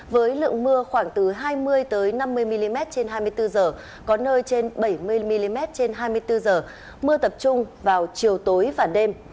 với lượng mưa khoảng từ hai mươi năm mươi mm trên hai mươi bốn h có nơi trên bảy mươi mm trên hai mươi bốn h mưa tập trung vào chiều tối và đêm